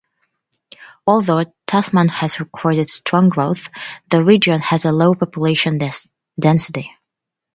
Although Tasman has recorded strong growth, the region has a low population density.